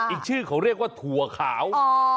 อีกชื่อเขาเรียกว่าถั่วขาว